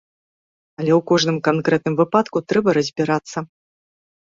Але ў кожным канкрэтным выпадку трэба разбірацца.